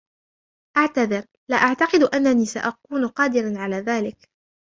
أعتذر ، لا أعتقد أنني سأكون قادراً على ذلك.